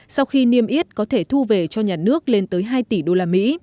sau khi niêm yết có thể thu về cho nhà nước lên tới hai tỷ đô la mỹ